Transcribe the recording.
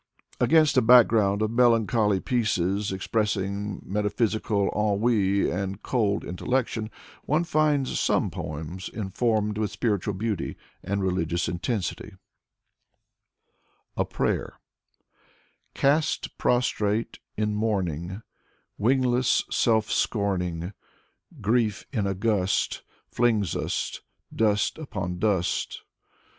Against a background of melancholy pieces, expressing metaphysical ennui and cold intellection, one finds some poems informed with spiritual beauty and religious intensity. 'S^ \Dmitry Merezhkovsky 57 A PRAYER Cast prostrate, in mourning, Wingless, self scorning, Grief in a gust Flings us, dust upon dust.